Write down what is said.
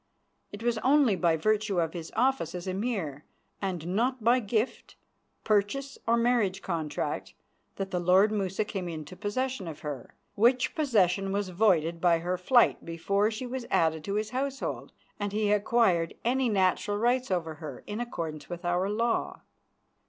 It was only by virtue of his office as Emir, and not by gift, purchase, or marriage contract, that the lord Musa came into possession of her, which possession was voided by her flight before she was added to his household and he acquired any natural rights over her in accordance with our law.